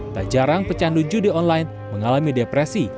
tak jarang pecandu judi online mengalami depresi